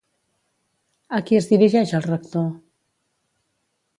A qui es dirigeix el rector?